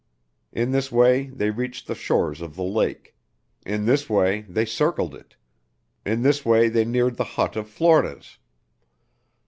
In this way they reached the shores of the lake; in this way they circled it; in this way they neared the hut of Flores.